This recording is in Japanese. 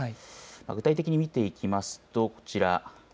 具体的に見ていきますとこちら。